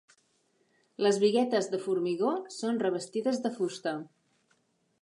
Les biguetes de formigó són revestides de fusta.